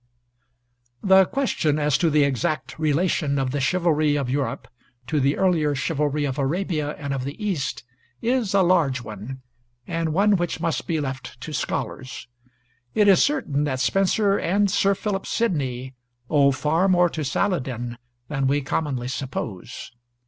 The question as to the exact relation of the chivalry of Europe to the earlier chivalry of Arabia and of the East is a large one, and one which must be left to scholars. It is certain that Spenser and Sir Philip Sidney owe far more to Saladin than we commonly suppose.